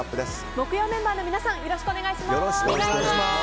木曜メンバーの皆さんよろしくお願いします。